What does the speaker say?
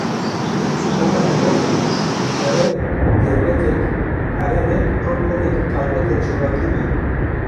Koma hedefê dikare dewletek, herêmek an komeke taybet a civakê be.